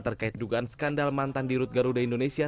terkait dugaan skandal mantan di rutgaruda indonesia